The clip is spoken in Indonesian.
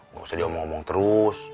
gak usah dia omong omong terus